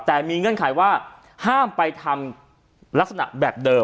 แต่มีเงื่อนไขว่าห้ามไปทำลักษณะแบบเดิม